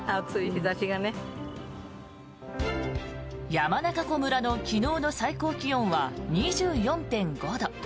山中湖村の昨日の最高気温は２４．５度。